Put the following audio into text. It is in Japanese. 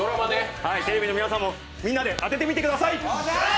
テレビの前の皆さんも当ててみてください。